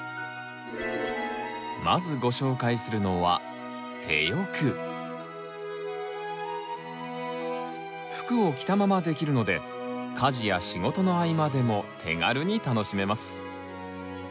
まずご紹介するのは服を着たままできるので家事や仕事の合間でも手軽に楽しめます。